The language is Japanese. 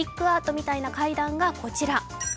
アートみたいな階段がこちら。